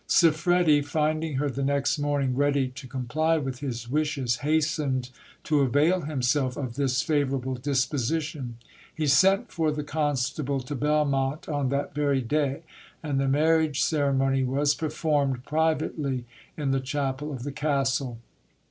Siffredi, finding her the next morning ready to. comply with his wishes, hastened to avail himself of this favourable disposition. He sent for the constable to Belmonte on that very day, and the marriage ceremony was performed privately in the chapel of the castle.